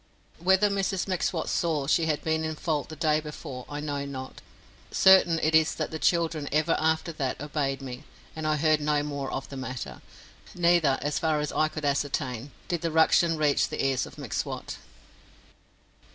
Whether Mrs M'Swat saw she had been in fault the day before I know not; certain it is that the children ever after that obeyed me, and I heard no more of the matter; neither, as far as I could ascertain, did the "ruction" reach the ears of M'Swat.